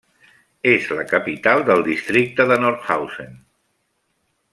És la capital del districte de Nordhausen.